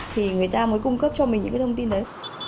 thì người ta mới cung cấp cho mình những cái thông tin đấy